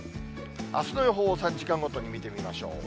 あすの予報を３時間ごとに見てみましょう。